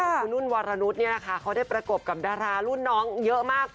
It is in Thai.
คุณนุ่นวารนุษย์เขาได้ประกบกับดารารุ่นน้องเยอะมาก